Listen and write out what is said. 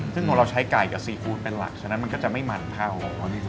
ซึ่งเราใช้ไก่กับซีฟู้ดเป็นหลักฉะนั้นมันก็จะไม่มันเท่าของของของ